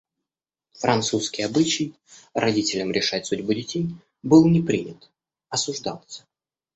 Французский обычай — родителям решать судьбу детей — был не принят, осуждался.